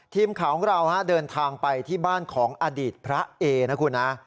ทีมข่าวของเราเดินทางไปที่บ้านของอดีตพระเอนะคุณนะ